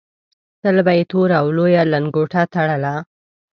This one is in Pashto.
تل به یې توره او لویه لنګوټه تړله.